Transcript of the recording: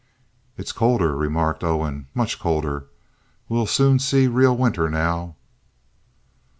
"It's colder," remarked Owen, "much colder. We'll soon see real winter now."